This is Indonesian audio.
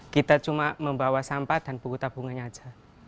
kita cuma membawa sampah dan buku tabungannya aja